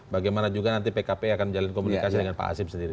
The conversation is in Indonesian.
bagaimana juga nanti pkpi akan menjalin komunikasi dengan pak asib sendiri